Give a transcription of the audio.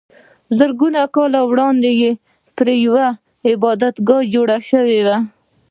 زرګونه کلونه وړاندې پرې یوه عبادتګاه جوړه شوې وه.